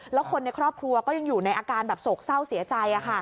แล้วคนในครอบครัวก็ยังอยู่ในอาการแบบโศกเศร้าเสียใจ